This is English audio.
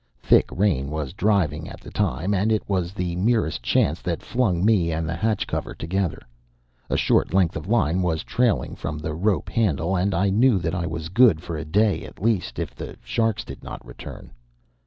Thick rain was driving at the time; and it was the merest chance that flung me and the hatch cover together. A short length of line was trailing from the rope handle; and I knew that I was good for a day, at least, if the sharks did not return.